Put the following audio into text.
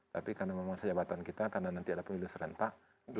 tapi karena memang sejabatan kita karena nanti ada pemilihan serentak dua ribu dua puluh empat